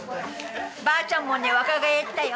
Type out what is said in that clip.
ばあちゃんもね若返ったよ。